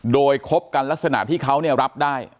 โดยคบกันลักษณะที่เขารับได้